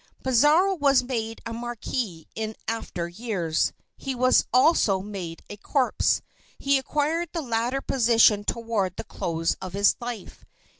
Pizarro was made a marquis in after years. He was also made a corpse. He acquired the latter position toward the close of his life.